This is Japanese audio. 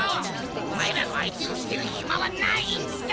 おまえらのあいてをしてるひまはないんだ！